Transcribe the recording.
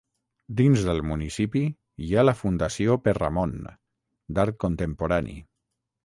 Dins del municipi hi ha la Fundació Perramon, d'art contemporani.